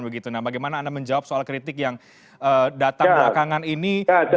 bagaimana anda menjawab soal kritik yang datang belakangan ini